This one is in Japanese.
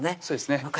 そうですね